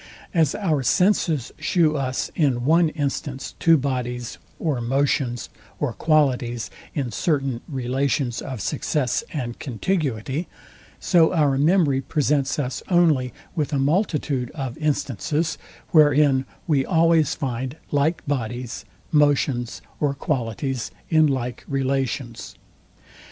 As our senses shew us in one instance two bodies, or motions, or qualities in certain relations of success and contiguity; so our memory presents us only with a multitude of instances, wherein we always find like bodies, motions, or qualities in like relations.